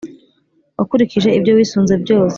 wakurikije ibyo wisunze byose